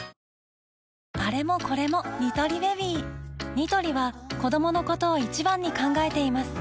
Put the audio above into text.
ニトリは子どものことを一番に考えています